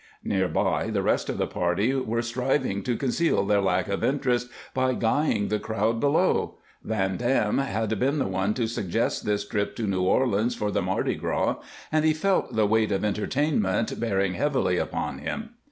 Near by, the rest of the party were striving to conceal their lack of interest by guying the crowd below. Van Dam had been the one to suggest this trip to New Orleans for the Mardi Gras, and he felt the weight of entertainment bearing heavily upon him.